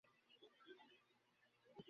Please, খুব দরকার।